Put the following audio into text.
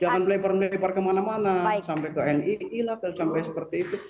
jangan melebar melebar kemana mana sampai ke ni ke ilap sampai seperti itu